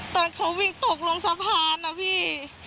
ตอนเขาวิ่งตกลงสะพานนะพี่